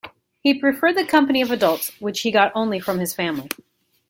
He preferred the company of adults, which he got only from his family.